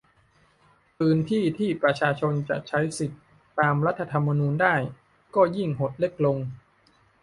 พื้นที่ที่ประชาชนจะใช้สิทธิตามรัฐธรรมนูญได้ก็ยิ่งหดเล็กลง